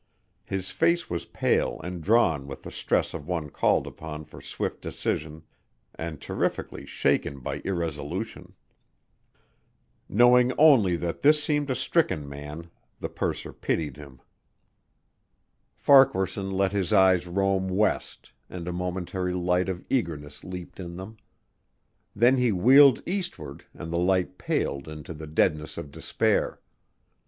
His face was pale and drawn with the stress of one called upon for swift decision and terrifically shaken by irresolution. Knowing only that this seemed a stricken man, the purser pitied him. Farquaharson let his eyes roam west and a momentary light of eagerness leaped in them. Then he wheeled eastward and the light paled into the deadness of despair.